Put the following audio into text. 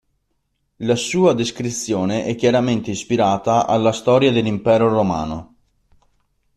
La sua descrizione è chiaramente ispirata alla storia dell'Impero romano.